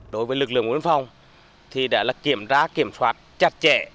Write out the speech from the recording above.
đối với lực lượng nguyên phòng thì đã kiểm tra kiểm soát chặt chẽ